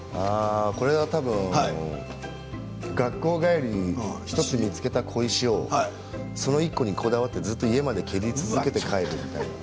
これはたぶん学校帰りに１つ見つけた小石をその１個にこだわってずっと家まで蹴り続けて帰るみたいな。